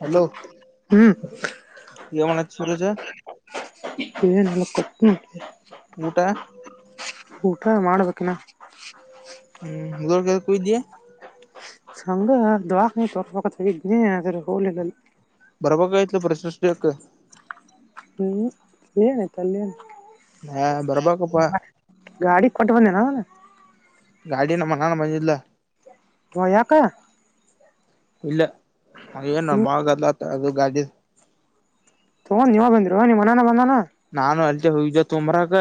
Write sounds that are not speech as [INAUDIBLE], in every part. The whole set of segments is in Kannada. ಹಲೋ, ಹ್ಮ್ ವನ ಸುರಜ [UNINTELLIGIBLE] ಹ್ಮ್ [INAUDIBLE] ಊಟ, - ಊಟ ಮಾಡ್ಬೇಕಿನ. ಹ್ಮ ಜರಗ ಕ ದೆ [UNINTELLIGIBLE] ಸಂಗ ದಾಸ ತೊಟ [UNINTELLIGIBLE] ಪಕ್ಕ ತಗಿದ್ದನ ಅರ ಹೋಲಗಳು ಬರಬೇಕಾಗೀತ್ಲು ಪ್ರಶಷ್ಟಕ್ಕ [UNINTELLIGIBLE] ಹ್ಮ್, ಎನ ಐತ ಅಲ್ಲೇನೆ ಹಾ ಬರ್ಬೇಕುಪ್ಪಾ. ಬನ್ನ ಗಾಡಿನ ಮನಾನ ಬಂದಿಲ್ಲ ಒ ಯಾಕ? ಇಲ್ಲ ಹಾಗೇ ನ ಹ್ಮ್ ಬಾಳ ಗದ್ಲಾತು ಅದು ಗಾಡಿದ್. [UNINTELLIGIBLE] ನೀವ ಬಂದರೋ ನಿಮ್ಮಣ್ಣನ ಬಂದಾನಾ. ನಾನು ಅಲ್ತೆ ಹೋಗ್ದ ತುಂಬ್ರಕ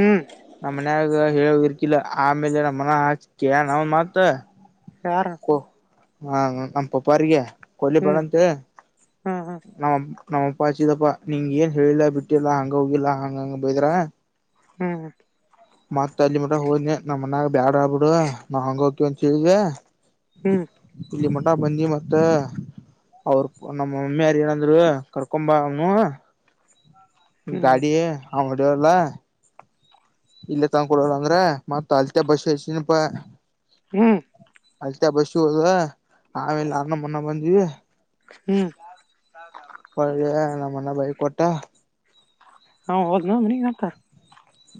ಹ್ಮ್ ನಮ್ಮ ಮನ್ಯಾಗ [UNINTELLIGIBLE] ಹೇಳಿರ್ಕಿಲ್ಲ ಆಮೇಲೆ ನ ಮನ ಹಾಕ್ಕ ನಾವ ಮಾತ್. ಯಾರ? ಹಾ ನಮ್ಮ ಪಪ್ಪಾರಿಗೆ ಕೊಲ್ಲಿ ಹ್ಮ್ ಬಳಂತ ಹ್ಮ್ ನಮ್ಮ್ ನಮ್ಮಪ್ಪಾಚಿದಪ್ಪಾ ನೀಂಗ ಏನ್ ಹೇಳಿಲ್ಲಾ ಬಿಟ್ಟಿಲ್ಲಾ ಹಂಗ ಹೋಗಿಲ್ಲಾ ಹಂಗ ಹಂಗ ಬೈದ್ರಾ. ಹ್ಮ್ ಬ್ಯಾಡಆ ಬಿಡು ನಾವ್ ಹಂಗ್ ಹೋಗ್ತೀವಂತೇಳಿವಿ. ಹ್ಮ್ ಇಲ್ಲಿ ಮಟ ಬಂದೀವಿ ಮತ್ತೆ ಅವ್ರ್ ನಮ್ಮ ಮಮ್ಮಿ ಯೋರ್ ಏನಂದ್ರು ಕರ್ಕೊಂಬ ಅವನು ನಿಮ್ ಹ್ಮ್ ಡ್ಯಾಡಿ ಅವ್ ಹೊಡಿಯಲ್ಲ. ಇಲ್ಲೇ ತನ್ಕೊಡಲ್ಲ ಅಂದ್ರ ಮತ್ತ [UNINTELLIGIBLE] ಹ್ಮ್ ಅಲ್ತ ಬಸಿ ಹೋಗದ ಆಮೇಲೆ ಅರ್ನ ಮುನ್ನ ಬಂದೀವೀ. ಹ್ಮ್ [UNINTELLIGIBLE] ನಮ್ಮನ್ನ ಬೈಕ್ ಕೊಟ್ಟ. ಅವಹೊದ್ನ ಮನಿಗ್ಯಾಕ.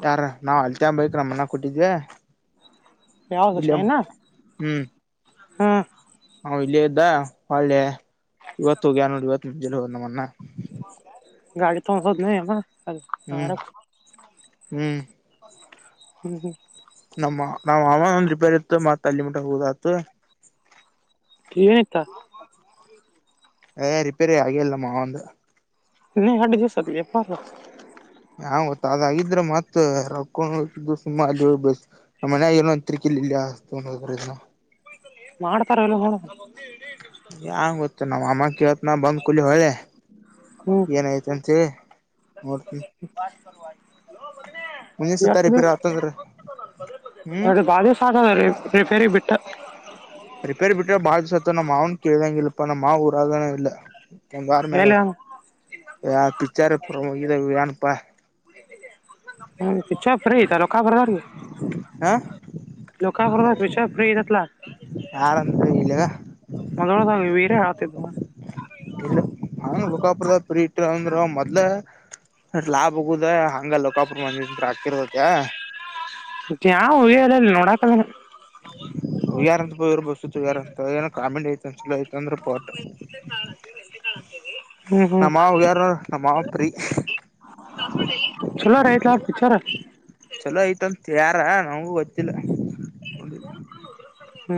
ಯಾರ ನಾವ್ ಅಲ್ತಿಯ ಬೈಕ್ ನಮ್ನ ಕೊಟ್ಟಿದ್ವಿ. ಯಾವ್ದು ಇಲ್ಲಿ ಶೈನ ಹ್ಮ್. ನಾ ಇಲ್ಲೆ ಇದ್ದ ಒಳ್ಳೆ ಇವತ್ತು ಹೋಗ್ಯಾರ್ ನೋಡು ಇವತ್ ಜಲ್ಲಿ ನಮ್ಮನ್ನ. ಗಾಡಿ ತಗೊಂಡು ಹೋದ್ನಿ ಯವ [UNINTELLIGIBLE] ಹಾರ. ಹ್ಮ್ ಹ್ಮ್ ಹ್ಮ ಹ್ಮ ನಮ್ಮ ನಾವ್ ಅಮ್ಮ ಒಂದ್ ರಿಪೇರ್ ಇತ್ತು ಮತ್ತ್ ಅಲ್ಲಿ ಮುಟ ಹೋದಾತು. [UNINTELLIGIBLE] ಇತ್ತಾ. ಏ ರಿಪೇರಿ ಆಗಿಲ್ಲ ನಮ್ಮಾವಂದು. [UNINTELLIGIBLE] ಹಾ ಗತ್ತಾದಾಗಿದ್ರೆ ಮತ್ ರೋಕ್ಕ [UNINTELLIGIBLE] ನಮ್ಮ ಮನೆ ಏನೋ ತಿರಿಕಿಲಿಲ್ಲೈ. ಯಾರ್ ತಗೊಂಡ್ ಹೋದ್ರೇನೋ. ಮಾಡ್ತಾರ ಇಲ್ಲೋ ನೋಡು. ಯಾಂಗ್ ಗೊತ್ತು ನಾವ್ ಅಮ್ಮ ಕೇಳತ್ ನ ಬಂದ್ ಕೂಲಿ ಹೊದೆ ಹ್ಮ್ ಏನಯ್ತ ಅಂತೇಳಿ. ನೋಡ್ತೀನಿ. [INAUDIBLE] ಮುಂದಿನ ಸತ ರಿಪೇರಿ ಆತಂದ್ರ ಹ್ಮ್ ಸರಿ ಬಾದುಷಾ [UNINTELLIGIBLE] ರ ಫೇರಿ ಬಿಟ್ಟ. ರಿಪೇರ್ ಬಿಟ್ರ ಬಾಳ ದಿಸಾತ್ ನಮ್ಮ್ ಮಾವನ್ ಕೇಳಂಗಿಲ್ಪ್ಪಾ ನಮ್ ಮಾವ ಊರಾಗನ ಇಲ್ಲ. ಗಂಗಾರ ಮೇ ಎಲ್ಲಿ ಯ ಪಿಚ್ಚರು [UNINTELLIGIBLE] ಪಿಚ್ಚರ್ ಫ್ರೀ ಆಯಿತು ರೊಕ್ಕ ಬರರೀ. ಹ [UNINTELLIGIBLE] ಯಾರಂದ್ರ ಇಲ್ಲಾಗ ಹೇಳ್ತಿದ್ದ ಹಾ ರೊಕ್ಕ ಬರುತ್ತದೆ ಫ್ರೀ ಇಟ್ಟಿಲ್ಲ ಅಂದ್ರೆ. ಮೊದ್ಲ ಲಾಭ ಹಗುದ ಹಂಗ ಲಕಾಪ್ರ ಮಂದಿ ಹಾಕಿರ್ತದ. ಕ್ಯ ಯಾವ ಹೋಗ್ಯಲ್ಲಲ್ಲಿ ನೋಡಕಲ್ಲ. ಹ ಯಾರ ಅಂತ ಬ ಇವರು ಬಸ್ಸ ಯಾರಂತ ಏನೋ ಕಾಮಿಡಿ ಐತಂದ ಚಲ ಐತ ಅಂದ್ರೆ ಪೋಟ. ಹ್ಮ್ ಹ್ಮ್ ನಮ್ಮ ಮಾವಗ ಯಾರೋ ನಮ್ಮ ಮಾವಾಗ ಫ್ರೀ. ಚಲೋರ ಐತ್ ಪಿಚ್ಚರು. ಹ ನಮಗೂ ಗೊತ್ತಿಲ್ಲ. ಹಿ ಗೋಲ್ ಗುಲು.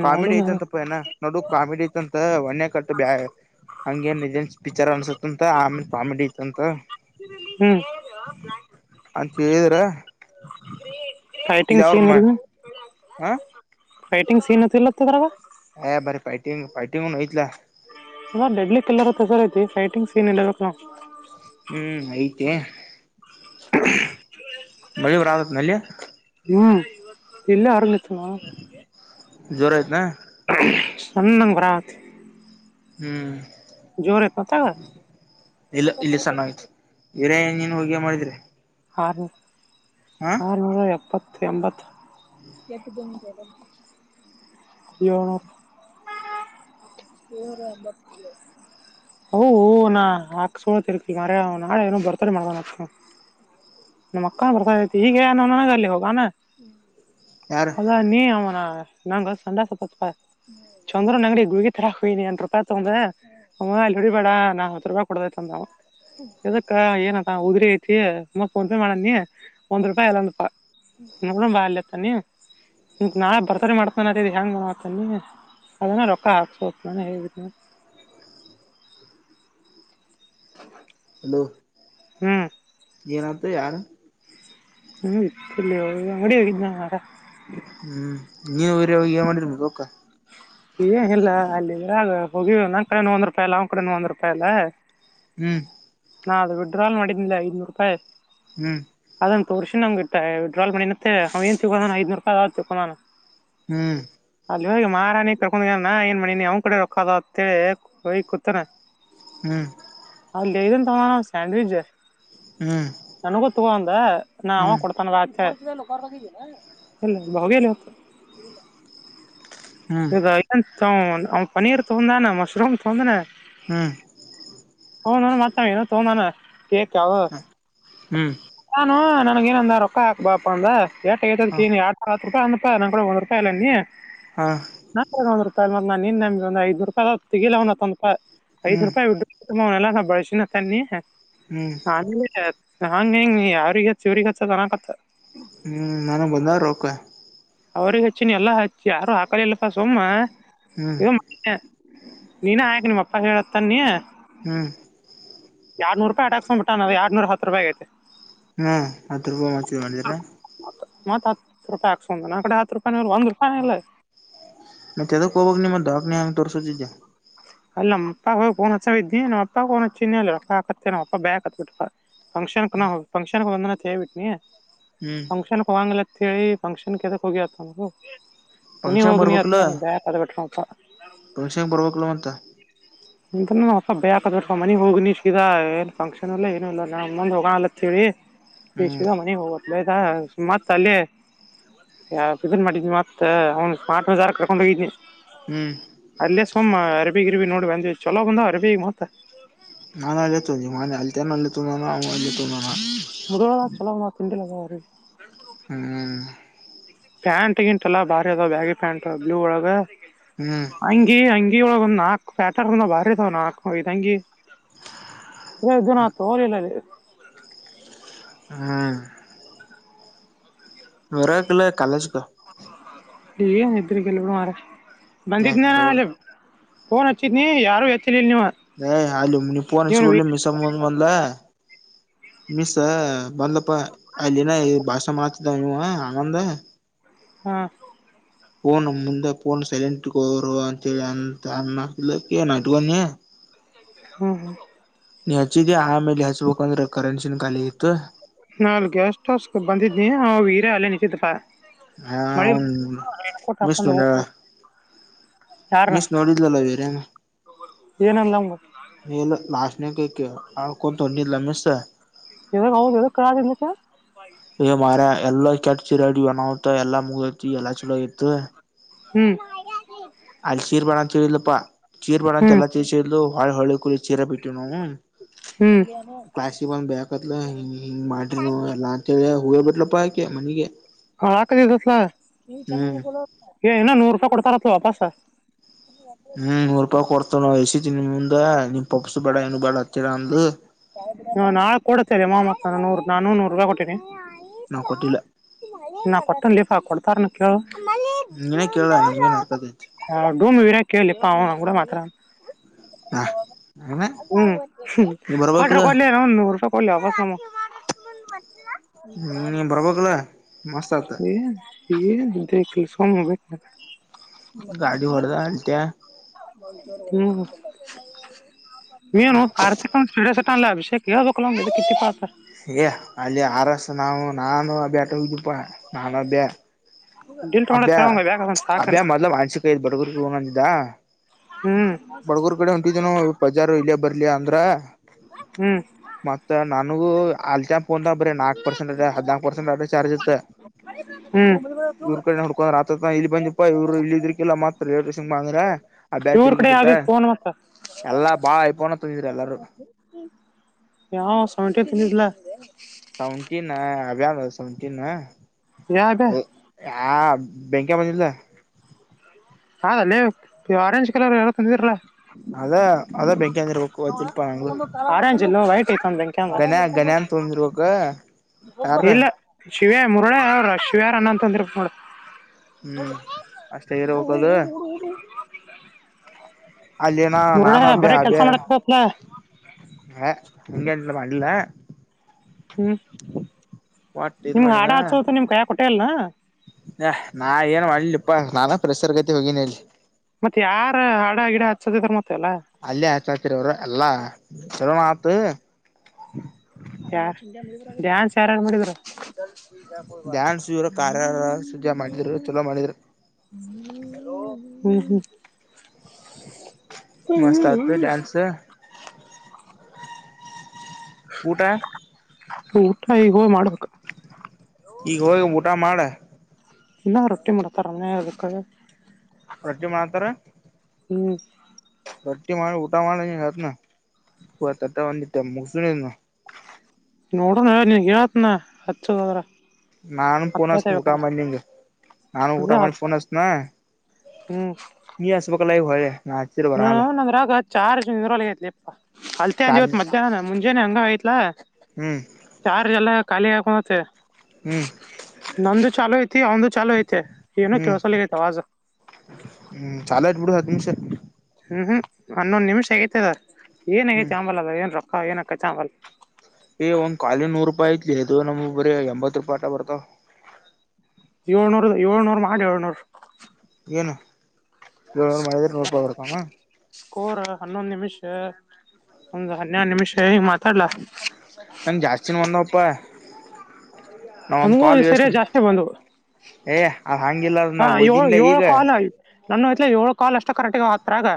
ಕಾಮಿಡಿ ಐತಂತಪ್ಪ ಏನ ನೋಡು ಕಾಮಿಡಿ ಐತಂತ ಒನ್ಯ ಕಟ್ಟ ಬ್ಯಾ. ಹಂಗೇನ್ ಇದೇನ್ ಪಿಕ್ಚರ್ ಅನ್ಸುತ್ತ ಅಂತ ಆಮೇಲೆ ಕಾಮಿಡಿ. ತಂತ ಹ್ಮ್ ಅಂತ ಹೇಳಿದಿರ. ಫೈಟಿಂಗ್ ಸೀನ್ ಇಲ್ಲ ಹ ಫೈಟಿಂಗ್ ಸೀನ್ [UNINTELLIGIBLE] ಹ ಬರಿತೈತಿ ಫೈಟಿಂಗ್ ವೋಯತ್ಲ. ಅ ಡೆಡ್ಲಿ ಕಿಲ್ಲರ್ ತೊಗೊಳೋದು ಫೈಟಿಂಗ್ ಸೀನ್ ಎಲ್ಲ ಹ್ಮ್ ಐತೆ, ಮಳ್ಳುವರ್ ಆವತ್ ನಲ್ಲಿ. ಎಲ್ಲ ಆರುಮಿತಣ. ಜೋರಾಯ್ತ ಸಣ್ಣಂ ಭರತ್, ಹ್ಮ್ ಇಲ್ಲ ಇಲ್ಲಿ ಸಣ್ಣ ಆಯ್ತು ವಿರೆೇ. ನೀನ್ ಹೋಗೆಯ್ ಮಾಡಿದ್ರೀ. ಆರುನೂ ಆರನೂರು ಎಪ್ಪತ್ತು. ಎಂಬತ್ತು ಎಳುನೂರು ಹೋ ಹೋ ನಾ ಹಾಕ್ಸೋಳರ್ ಕಿರುಕಿದ್ದಾರೆ ನಾಳೆ ಏನ್ ಬರ್ತಡೇ ಮಾಡೊ ನಮಕ್ಕ ಬರ್ತಾಳಂತೆ ಈಗೇನು ಮಾಡೋದ್ ಅಲ್ಲಿ ಆನ. ಯಾರು ಅದಾ ನೀ ಅವನಾ ಲಂಗ ಸಂಡಾಸ್ ಪ ಚಂದ್ರನು ನಂಗಡಿ ಗುಳಿಗೆ ಥರಾ ಹೋಯಿದೆ ಯಂತ್ರಪ್ಪ ಅಂದ್ರೆ. ಅವ ಅಂಗಡಿ ಬೇಡ ನಾ ತಿರ್ಗ ಕೊಡದೈತ್ ಅಂದ ಅದಕ್ಕ ಏನಪ್ಪ ಉಗುಡಿ ಐತಿ. ಮ ಫೋನ್ ಪೇ ಮಾಡ ನೀ ಒಂದ್ ರೂಪಾಯಿ ಎಲ್ಲಂತ ಎಲ್ಲ ಬಾ ಲೆಕ್ಕ ನೀ. ಇಂಕುವ ಬರ್ತಡೇ ಮಾಡ್ಕೋಣೋದು ಹೆಂಗ್ ಮಾಡ್ಕೊನಿ. ಸುಮ್ನೆ ರೊಕ್ಕ ಹಾಕುಸ್ಬೇಕ್ ತಾನೆ. [INAUDIBLE] ಹ [UNINTELLIGIBLE] ಹುಳಿ ಹ್ಮ್ ಏನಂತೀಯಾ ಹ್ಮ ಇಲ್ಲಿ ಅಂಗಡಿ ಇದಿಯಾ. ಹ್ಮ್ ನೀವು ಹಿರಿಯವಾಗ ಏನ್ ಮಾಡಿದ್ದೀರಿ ಭೂಕ. ಏನಿಲ್ಲಾ ಅಲ್ಲಿದ್ರಾಗ ಹೋಗಿವ ನನ್ ಕಡೆ ಒಂದ್ ರೂಪಾಯಿ ಇಲ್ಲ ಅವನ್ ಕಡೆನು ಒಂದ್ ರೂಪಾಯಿ ಇಲ್ಲ. ಹ್ಮ್ ನಾ ವಿಡ್ರಾ ಮಾಡಿದ್ನಲ್ಲ ಐನೂರು ರೂಪಾಯಿ. ಹ್ಮ್ ಒಂದು ತುರುಷ್ ನಂಗೆ ಟೈ ವಿಡ್ರಾಲ್ ಮತ್ತೆ ಅವೇ ತಿಗುಣನ ಐನೂ ರೂಪಾಯಿ ಆಯ್ತು ತುಕುಣಾನ. ಹ್ಮ್ ನೋಯು ಮಾರಾಣಿ ಕರ್ಕೊಂಡ ನ ಏನ್ ಮಣಿ ನೀ ಅವ್ ಕಡೆ ರೊಕ್ಕ ಅದ ಅತ್ ಎ ಹೋಗಿ ಕೂತನ. ಹ್ಮ್ ಅಲ್ಲೇನ್ ತಗೊಣನ ಸ್ಯಾಂಡ್ವಿಚ್. ಹ್ಮ್ ನನಗೂ ತೊಗ ಅಂದ ನಾ ಅವ ಹ್ಮ್ ಕೊಡ್ತಾನಲ ಆಚೆ. ನನ್ ಬಾಬಿ ನೋತು. ಹ್ಮ್ ಈಗ ಏನ್ ತ ಅವನ್ ಪನೀರ್ ತೊಂದಾನ ಮಶ್ರೂಮ್ ತೊಂದಾನ. ಹ್ಮ್ ಅವನುಮತ್ತೆ ಏನು ತಂದಾನ ಕೇಕ್ ಹ ಹ್ಮ್ ಅನಾ. ನನ ಏನಂದ ರೊಕ್ಕ ಹಾಕ್ ಬಾಪ್ಪ ಅಂದ ಏಟ ಹ ತದಿ ಆ ಹತ್ತು ರೂಪಾಯಿ ಅಂದಪ ನ ಕೂಡ ಒಂದ್ೂಪಾಯಿ ಅಲ್ಲನಿ ಹಾ ನಪ್ರಗಾವೃತ್ತ ನೋಡ್ ನಾ ನಿನ್ನಗೊಂದ್ ಐದುನೂರು ರೂಪಾಯಿ ತೆಗಿಲಾನ್ನ ತನಕ ಐದು ಹ್ಮ್ ರೂಪಾಯಿ ಒ ತುಂಬಾ ಎಲ್ಲಾಗ್ ಒಂದ್ ಬರ್ ರ್ಶಿಣ ತನ್ನಿ ಹ್ಮ್ ಆಮೇಲೆ ಹಂಗ ಹೆಂಗ ಯಾರ್ರಿಗೆ ಹಚ್ಚ ಇವ್ರಿಗೆ ಹಚ್ಚನ್ನ ಹತ್ತ ಹ್ಮ್ ನಾನವ ಬಂದವ ರೊಕ್ಕ ಅವ್ರಗೆ ಹಚ್ಚಿನಿ ಎಲ್ಲಾ ಹಚ್ಚಿ ಯಾರು ಹಾಕಲಿಲ್ಲಪ್ಪ ಸುಮ್ಮ ಹ್ಮ್ ಇ ಮ ನೀನ ಹಾಕ್ ನಿಮ್ಮಪ್ಪ ಹೇಳತ್ತ ನೀ ಹ್ಮ್ ಎರಡ್ನೂ ರೂಪಾಯಿ ಆಟಾಕ್ಟ ನ ಬಿಟ್ಟನವ ಎಡನೂರ ಹತ್ತು ರೂಪಾಯಿ ಆಗೈತೆ ಹ್ಮ ಹತ್ತ ರೂಪಾಯಿ ಮಚ ಮಾಡಿದ್ರ ಮತ್ತ ಹತ್ತು ರೂಪಾಯಿ ಹಾಕ್ಸಂದ ನ ಕಡೆ ಹತ್ತು ರೂಪಾಯ ಒಂದ್ ರೂಪಾಯನು ಇಲ್ಲ ಮತ್ತ್ ಎದಕ್ ಹೋಬಕ ನೀ ದವಾಖಾನೆ ಹೆಂಗ ತೋರ್ಸಕೊಂತಿದಿ ಅಲ್ಲ ನಮ್ಮ ಅಪ್ಪ ಫೋನ್ ಹಚ್ಚವ ಇದ್ದಿ ನಮ್ಮ ಅಪ್ಪ ಫೋನ್ ಹಚ್ಚಿದಿನಿ ಅಲ್ಲ ಅ ಹಕತ್ತ ನಮ್ಮ ಅಪ್ಪ ಬೇಎಕ್ತ್ ಬಿಟ್ಟಪಾ ಫಂಕ್ಷನ್ ನ ಫಂಕ್ಷನ್ ಒಂದ ಹ್ಮ್ [UNINTELLIGIBLE] ಫಂಕ್ಷನ್ಕ್ ಹೋಗಗಿಲ ಅಂತ ಹೇಳಿ ಫಂಕ್ಷನ್ ಎದಕ್ ಹೋಗಿ ಅಂತದರೂ ಫಂಕ್ಷನ್ ಬರಬಕೀಲ ನಮ್ ಅಪ್ಪ ಫಂಕ್ಷನ್ ಬರಬೇಕಿಲ್ಲ ಮತ್ತ ಅ ನ ಅಪ್ಪಬ್ ಬ ಯಾಕದ ಮನಗ್ ಹೋಗಿ ನಿಶಿದ ಏನ್ ಫಂಕ್ಷನ್ ಎಲ್ಲ ಏನು ಇಲ್ಲ ನಾ ಮುಂದ ಹೋಗಲತ್ತೇಳಿ ಎ ಹ್ಮ್ ಸೀದಾ ಮನೆಗೆ ಹೋಗ ಒಲ ಮತ್ ಅಲ್ಲೆ ಯಾ ಇದನ್ ಮಾಡಿದ್ನ ಮತ್ತೆ ಅವ್ನ ಸ್ಮಾರ್ಟ್ ಬಜಾರ ಕರ್ಕೊಂಡು ಹೋಗಿದನಿ. ಹ್ಮ್ ಅಲ್ಲೇ ಸುಮ್ಮ ಅರಬಿಗಿರ್ಬಿ ನೋಡಿ ಬಂದ್ವಿ ಚಲೋ ಬಂದ ಅರಬಿ ಈಗ ಮತ್ತ ನಾನು ಅಲ್ಲ ತೊಗೊಂಡಿನಿ ಮಾನೆ ಅಲ್ಲಿತಾನ ಅಳ್ಳ ತಂದಾನ ಅವ ಅಲ್ಲ ತಂದಾನ ಮುದೋಳ ಚಲೋ ಬಂದವ್ ತಿಂಡಿ ಲಗ ಅರಿಬಿ ಹ್ಮ್ ಪ್ಯಾಂಟ್ ಗಿಂಟಲ್ಲ ಭಾರಿ ಅದ ಬ್ಯಾಗಿ ಕಾಣ್ತಾವ ಬ್ಲೂ ಒಳಗ ಹ್ಮ್ ಇ ಅಂಗಿ ಒಳಗೆ ಒಂದ್ ನಾಕ್ ಪ್ಯಾಟರ್ನ್ ಬಾರಿ ಅದಾವ್ ನಾಕ ಐದಂಗಿ ಎ ಇದಾವು ನಾ ತಗೋಲಿಲ್ಲ ಅಲ್ಲೇ. ಹ್ಮ್ ಬರಬಕಿಲ್ಲ ಕಾಲೇಜ್ ಕ ಏನ್ ಇದ್ರಕೀಲ್ ಬಿಡು ಮಾರಾಯ ಏ ಬಂದಿದನಾನ ಬರವಲ್ ಅಲ್ಲಿ ಫೋನ್ ಹಚ್ಚಿದ್ನಿ ಯಾರು ಎತ್ತಲಿಲ್ಲ ನೀವು. ನ ಅಲೆ ನೀವ್ ಪೋನ ಹಚ್ಚಿದ ಕೂಡಲೇ ಮೀಸಂಬ ಬಂದಲ ಮಿಸ್ ಬಂದಲಪ್ಪ ಅಲ್ಲಿನ ಈ ಭಾಷಣ ಮಾಡ್ತತಿದ್ದ ಇವಾ ಆನಂದ ಹ್ಮ ಫೋನ್ ಮುಂದ ಫೋನ್ ಸೈಲೆಂಟ್ರು ಇಟಕೋರಿವ ಅಂತೇಳಿ ಅಂತ ಅನ್ನತಿದಲ್ ಅಕಿ ನಾ ಇಟಕೊಂಡೇನ ಹ್ಮ್ ಹ್ಮ ನಿ ಹಚ್ಚಿದಿ ಆಮೇಲ್ ಹಚ್ಬೇಕಂದ್ರೆ ಕರೆನ್ಸಿ ನೋ ಖಾಲಿಯಾಗಿತ್ತು. ನಾಲ್ ಗೆಸ್ಟ್ ಹೌಸ್ ಬಂದಿದ್ನಿ ಅವ ವೀರ್ಯ ಅಲ್ಲೇ ನಿಂತಿದಪ್ಪಾ. ಹಾ ಮಳಿ ಅವನ್ ರೇನಕೋಟ ಮಿಸ್ ಹಾಕೊಂಡು ನೋಡ್ಯಾಳ ಹೋಗಬೇಕಾಗಿತ್ತು. ಯಾರನ ಮಿಸ್ ನೋಡಿದ್ಲಲ್ಲ ಏನಂದಲ್ಲ ಅವಂಗ ನೀಲ್ಲ ಲಾಸ್ಟ್ ನೆಕ್ ಐತಿ ನಳ್ಳಕೊಂತ ಹೊಂಟೀದ್ಲು ಮಿಸ್. ಯದಕ್ ಹೌದ್ ಎದಕ್ ಅಳತಿದಲ್ ಪಾ ಮಾರ ಎಲ್ಲ ಕೆಟ್ಟ ಚಿರಾಡಿ ಬನತ ಎಲ್ಲಾ ಮುಗತಿ ಎಲ್ಲಾ ಚಲೋ ತ್ತು ಹ್ಮ್ ಅಲ್ಲಿ ಚೀರ್ಬಾಡ ಅಂತ ಹೇಳಿದಳ ಚೀರ್ ಬ್ಯಾಡ ಅಂತ ಹ್ಮ್ ಎಲ್ಲಾ ತಿಳಿಸಿ ಹೇಳಿದ್ಲು ವಳ ಹಕಳ್ಳ ಚೀರ ಬಿಟ್ಟವಿ ನಾವು ಹ್ಮ್ ಕ್ಲಾಸಿಗೆ ಬಂದ ಭಯಕತ್ಲು ಹಿಂಗ್ ಮಾಡ್ರಿ ನೀವೆಲ್ಲ ಹೇ ಹೋಗೆ ಬಿಟಲ ಪಾ ಅಕಿ ಅಳಕತ್ತಿ ದೋಸ್ತ [UNINTELLIGIBLE] ಹ್ಮ್ ಏ ಏನೋ ನೂರು ರೂಪಾಯಿ ಕೊಡ್ತಾರತ್ ವಾಪಸ್ ಹ್ಮ್ ನೂರ್ ರೂಪಾಯಿ ಕೊಡ್ತೇ ನ ಎಸ ತಿನ್ನ ಮುಂದ ನಿಮ್ ಪಪ್ಸ ಬೇಡ ಏನು ಬೇಡ ಹತ್ತಿರ ಅಂದಲ ನಾಳು ಕೊಡ್ತೇನ ಮಾಮ್ಮಕ್ಕ ನೂರು ನಾನು ನೂರು ರೂಪಾಯಿ ಕೊಟ್ಟೀನಿ ನಾವು ಕೊಟ್ಟಿಲ್ಲ ನಾ ಕೊಟ್ಟನ ಲೇಪ ಕೊಡ್ತಾರನ ಕೇಳು ನೀನೇ ಕೇಳ ನಮ್ಗೇನ್ ಅರ್ಥತೈತಿ ಡೂಮ ವೀರ ಕೇಳಿಪ್ಪ ಅವ ಕೂಡ ಮಾತಡಲ್ಲ ವಾಹ [UNINTELLIGIBLE] ಹ್ಮ್ ಕಟ ಕಲ್ಲ ನ ಒ ನಪ ಕಲ್ಲ ಅಸಮ್ಮ ನೀ ಬರ್ಬೇಕಲ [UNINTELLIGIBLE] ಮಸ್ತ್ ಆತ ಹ [UNINTELLIGIBLE] ಸಮಬೇಕ [UNINTELLIGIBLE] ಲಕ ಗಾಡಿ ಹಲ್ಲ ಹೊಡ್ದ ಅಲ್ಟ್ಯ ಹ್ಮ [UNINTELLIGIBLE] ಮನು ಆರ್ಥಿಕ ಚ ಟಾಣ ಅಭಿಷೇಕ ಯದುೋಗಕಲಿ ಪಾತಾರೆ [UNINTELLIGIBLE] ಏ ಅಲ್ಲಿ ಆರಸ ನಾವು ನಾನು ಅಬ್ಯಾಟಪಾ [UNINTELLIGIBLE] ನಾನನ್ ಅಬ್ಯ ಡಿಲ್ಟ್ ಮಾಡತ್ ಅಭ್ಯ ಹೇಳೋಂಗ ಬ್ಯಾಗ್ ಅದನ್ ಸಾಕನ್ ಅಭ್ಯ ಮೊದ್ಲು ಮಾಂಸಿಕ ಬಡಗರು ಹಂದಿದ್ದ [UNINTELLIGIBLE] ಹ್ಮ್ ಬಡಗೂರ್ ಕಡೆ ಹೊಂಟಿದನು ಬಜಾರ ಇಲ್ಲಯ ಬರ್ಲಯಾ ಅಂದ್ರ ಹ್ಮ್ ಮತ್ತತ್ ನನಗು ಅಲ್ಟ ೋನ್ [UNINTELLIGIBLE] ಬರೀ ನಾಕ್ ಪರ್ಸೆಂಟ್ ಅ ಹದ್ಾಕಕ್ ಪರ್ಸೆಂಟ್ ಅ ಚಾರ್ಜ್ ಇತ್ತ ಹ್ಮ್ ಇವ್ರ ಕಡೆ ನೋಡ್ಕೊಂಡ್ ಆ ಇಲ್ಲಿ ಬಂದಿಪಾ ಇವರು ಇ ಇದರ್ಕಿಲ್ಲ ಮ ಮಾತ್ರ ರೋಷನ್ ಬ ಅಂಗ್ರ ಆ ಬ್ಯ್ ತಿೆಲಿಗ ಇಟ್ಟತ್ ಕೋನ್ ಮತ್ತ [UNINTELLIGIBLE] ಎಲ್ಲಾ ಬಾ ಐಫೋನ್ ತಂದಿದ್ರಿ ಎಲ್ಲಾರೂ ಯಾವ ಸಮಟ ತಿನ್ನಿಲ್ಲ [UNINTELLIGIBLE] ಸವೆಂಟ ಯಾವ ಅದೇ ಹ ಬ್ಯಾಂಕೆ ಮ [UNINTELLIGIBLE] ಹ ನೀವು ಕಲರ್ ಎಲ್ಲ ತಂದಿರಲ್ಲಾ ಅದ ಅದ ಬೆಂಕಿಂದ ಇರ್ಬೇಕು ಅ [UNINTELLIGIBLE] ಶಿಲ್ಪ ನಂಗು ಆರೆಂಜ್ ಇಲ್ಲ ವೈಟ್ ಐತೆ ಒಂದ್ ಬೆಂಕಿ ಅಂದ ಗನಯ ಗನ್ಯ ತೊಿ ರೂರುವಕ [UNINTELLIGIBLE] ಇಲ್ಲ ಶಿವ್ಯ ಮುರುಳೆ ಅವ್ರ ಶಿವ್ಯಾರ ಅನ್ನ ಅಂತಂದ್ರ ನೋಡ [UNINTELLIGIBLE] ಹ್ಮ್ ಅಷ್ಟೇ ಇರೋ ನೀ [UNINTELLIGIBLE] ಅಲ್ಲಿನ ನಾನು ಅಬ್ಯ ಬರೇ ಕೆಲಸ ಅಬ್ಯ ಮಾಡತ್ತಲ್ಲ ಹ ಇಲ್ಲ ಮಾಡಲ್ಲ ಹ್ಮ್ ಒಟ್ ನಿಮ್ ಹಾಡ ಹಚ್ಚೋತ ನಿಮ್ ಕಾಯ ಕೊಟ್ಟೇಲ್ನ ಹ ನಾ ಏನ್ ಮಾಡ್ಲಿಪ್ಪಾ ನಾನಾ ಪ್ರೆಸರ್ ಗತಿ ಹೋಗನಿ [UNINTELLIGIBLE] ಮತ್ತತ್ ಯಾರ ಹಡ ಗಿಡ ಹಚ್ಚಸದ ಮತ್ತೆ ಎಲ್ಲ ಅಲ್ಲಿ ಹಚಾತ್ರಿ ಅವರು ಎಲ್ಲಾ ಹೇಳೋಣ ಮಾತು ಡ್ಯಾನ್ಸ್ ಯಾರ್ಯಾರ್ ಮಾಡಿದ್ರು ಡ್ಯಾನ್ಸ್ ಕಾರ್ಯಾರ ಸುಜ [UNINTELLIGIBLE] ಮಾಡಿದ್ರ ಚಲೋ ಮಾಡಿದ್ರ [INAUDIBLE] ಹ್ಮ್ ಹ್ಮ್ ಮಸ್ತ್ ಆಯ್ತು ಡ್ಯಾನ್ಸು ಊಟ ಊಟ ಈ ಹೋ ಮಾಡ್ಬೇಕ ಈಗ ಹೋಗಿ ಊಟ ಮಾಡ ಇನ್ನ ರೊಟ್ಟಿ ಮಾಡತಾರನ ಅದಕ್ಕೆ ರೊಟ್ಟಿ ಮಾಡ್ತಾರೆ ಹ್ಮ್ ರೊಟ್ಟಿ ಮಾಡ ಊಟ ಮಾಡ ನೀ ರತ್ [UNINTELLIGIBLE] ಪೂ ತಟ್ಟ ಮುಕ್ಸು ನೋಡಣ ನೀನ್ ಹೇತ್ನಾ ಹಚ್ಚದದ್ರ ನಾನುಫೋನ್ಸನ ಊಟ ಮಾಡಿ ನಿಂಗೆ ನಾನು ಊಟ ಅಂದ್ರೆ ಹತ್ ಮಾಡಿಹಚ್ಚಿನ ನಿ ಆಸ ಬಕಲ್ಲಾಗ ಹೊ [UNINTELLIGIBLE] ಹಾ ನಂದ ರಾಗ [UNINTELLIGIBLE] ಚಾರ್ ಜ ಇದರೊಳಗೆ ಯತ್ಲಿ ಅಲ್ತೆ ಅಂದ ಚಾರ್ಜ್ ಇವತ್ ಮಧ್ಯಾಹ್ನ ಮುಂಜಾನನೆ ಹಂಗ ಆತ್ ಇಲ್ಲ ಹ್ಮ್ ಚಾರ್ಜ್ ಇಲ್ಲ ಖಾಲಿ ಆಗುತ್ತೆ ಹ್ಮ್ ನಂದು ಚಾಲೂ ಐತಿ ಒಂದು ಚಲೋ ಐತಿ ಏನೋ ಹ್ಮ್ ಕೇಳ್ಸಲ್ಲ ಅವಾಜ್ ಹ್ಮ್ ಚಾಲ ಬಡ ಹತ್ಮಷ [UNINTELLIGIBLE] ಹ್ಮ್ ಹ್ಮ್ ಹನ್ನೊಂದು ನಿಮಿಷ ಹೇಗೈತೆದ ಏನೇ ಹ್ಮ್ ಚಂಬಲ್ ಅದ ಏನ್ ರೊಕ್ಕ ಏನಕ್ಕ ಚಂಬಲ್ ಏ್ ಒಂದ್ ಕಖಾಲಿ ನೂರು ರೂಪಾಯಿ ಐತ್ಲಿ ಅದು ನಮ್ಗ್ ಬರಿ ಎಂಬತ್ ರೂಪಾಯಿ ಆಟ ಬರ್ತ ಏಳ್ನೂರು ಏಳ್ನೂರು ಮಾಡಿ ಏಳ್ನೂರು ಏನು ಇ ಮ ನೂಪರ್ಕಾಮ [UNINTELLIGIBLE] ಸ್ಕೋರ್ ಹನ್ನೊಂದು ನಿಮಿಷ ಒಂದ ಹನ್ನೆಡು ನಿಮಿಷ ಹ ಮಾತಾಡ್ಲ ನಂ ಜಾಸ್ತಿನ ಒಂದವಪ್ಪಾ ನಾ ಒಂದು ನಮಗೂ ಈ ಕಾಲು ವಸ್ ಸರಿ ಜಾಸ್ತಿ ಬಂದವು ಏ ಅದ ಹಂಗಿಲ್ಲಾರ ನಾವ್ ಓದನ್ಲ ಈಗ ನಾನು ಯ್ಲ ಏಳು ಕಾಲ್ ಅಷ್ಟು ಕರೆಕ್ಟಗ ಹತಗ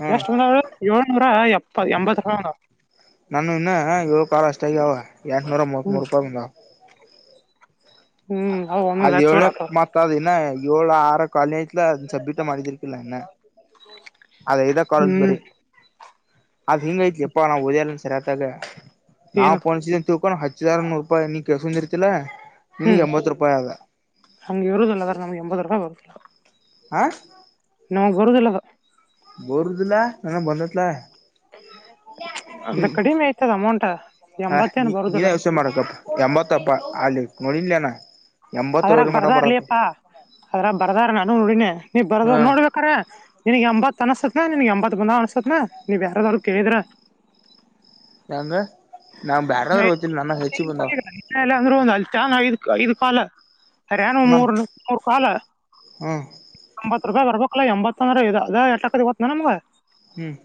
ಹ್ಮ ಎಷ್ಟು ಏಳ್ನೂರ ಪ್ಪ ಎಂಬತ್ತು ರೂಪಂದಾ ನಾನು ಇನ್ನು ಏಳ ಕಾ ಅಷ್ಟ ಆಗ್ಯ ಅವಾವ ಎಟ್ನೂರ ಮೂವತ್ ಹ್ಮ್ ಮೂೂರು ರೂಪಾಯ ಬಂದಾವ ಹ್ಮ್ ಅವ್ ಒಂದೊಂದ್ ಅದ್ ಹತ್ತು ಏಳ್ನ ಸಾವಿರ ಆತಾವ ಮತ್ತ ಅದಿನ ಏಳು ಆರ ಕಾಲೇಜ್ ಸಬ್ಮಿಟ ಮಾಡಿದಿಕ್ಕಿಲ್ಲನ್ನ ಅದ ಇದ ಕಾಲಲ್ ಬರಿ ಹ್ಮ್ ಅದು ಹಿಂಗ ಐತ್ಲಿ ಎಪ್ಪಾ ನಾ ಉದಯಾಲ ಸರಿಯತಾಗ ಏನ ನಾವವು ಪೋನ್ಸನ್ ತ ತಿಕೊಂಡ ಹದಾರ ನೂರು ರೂಪಾಯಿ ನೀ ಕೆಲ್ಸಂದ ಇರ್ತಿಲ್ಲಾ ಹ್ಮ್ ನಮ್ಗೆ ಇರುದಲ್ಲದ್ರ ನಮ್ಗೆ ಎಂಬತ್ತು ರೂಪಾಯಿ ಬರುತ್ತಿಲ್ಲ ಆ ಹಾ ಗರುದಲ್ಲ ಹ ಬೋರ್ದಲ್ಲ ನಾನ ಬಂದತ್ಲ ಅದು ಹ್ಮ್ ಕಡಿಮೆ ಐತದ ಅಮೌಂಟ್ ಹ ಎಂಬತ್ತೇನ್ ನೀ ನೀನೇ ಬರುದಿಲ್ಲ ಯೋಷೆ ಮಾಡಕಪ್ಪ ಎಂಬತ್ತಪ್ಪ ಅಲಿಕ್ ನೋಡಿಲ್ಲನಾ ಅದ್ರಾಗ ಬರ್ದರ್ಲಪ್ಪಾ ಅದ್ರ ಬರ್ದಾರ ನಾನು ನೋಡಿನನೆ ನೀ ಬರದ ಹಾ ನೋಡ್ಬೇಕ್ರ ನಿನಗ್ ಎಂಬತ್ ಅನ್ಸ್ತತ್ನ ನಿನ್ಗ್ ಎಂಬತ್ ಬಂದ ಅನ್ಸ್ಸತ್ನ ನೀವ್ ಯಾರಾದಾದ್ರು ಕೇಳಿದ್ರ ನಂಗ ನಾ ಬ್ಯಾರಾದ್ರ ಹೋತಿನ ನನ್ನ ಹೆಚ್ಚಿ ಬಂದಾವ ಐದು ಕಾಲ ಹರಯಾಣ ನನ್ ಮೂರು ಮೂರು ಕಾಲ ಹ್ಮ್ [UNINTELLIGIBLE] ರೂಪಾಯಿ ಬರ್ಬೇಕಲ್ಲಾ ಎಂಬತ್ತ್ತನಾರ ಇ ಅ ಎಟ್ಕ ಇವತ್ತು ನಮಗೆ ಹ್ಮ್